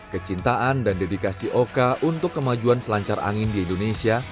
kecintaan dan dedikasi oka untuk kemajuan selancar angin di indonesia